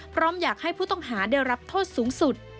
พร้อมอยากให้ผู้ต้องหาได้รับโทษสูงสุด